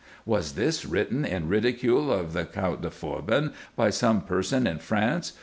Was this written in ridicule of the Count de Forbin by some person in France